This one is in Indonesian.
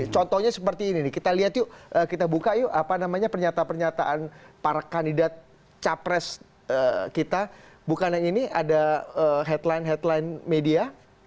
contohnya seperti ini nih kita lihat yuk kita buka yuk apa namanya pernyataan pernyataan para kandidat capres kita bukan yang ini ada headline headline media